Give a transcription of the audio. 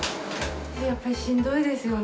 やっぱり、しんどいですよね。